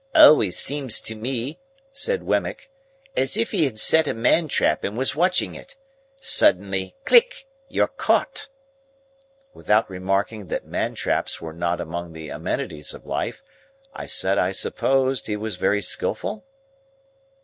"Always seems to me," said Wemmick, "as if he had set a man trap and was watching it. Suddenly—click—you're caught!" Without remarking that man traps were not among the amenities of life, I said I supposed he was very skilful?